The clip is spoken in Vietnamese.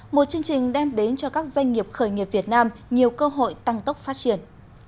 một chương trình đem đến cho các doanh nghiệp khởi nghiệp việt nam nhiều cơ hội tăng tốc phát triển